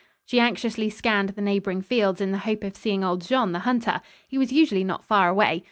She anxiously scanned the neighboring fields in the hope of seeing old Jean, the hunter. He was usually not far away.